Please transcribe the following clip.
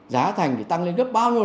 giá thành thì tăng lên đất bao nhiêu